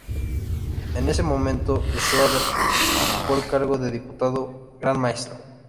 En ese momento Schröder ocupa el cargo de Diputado Gran Maestro.